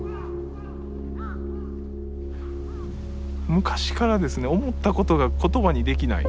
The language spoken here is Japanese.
昔からですね思ったことが言葉にできない。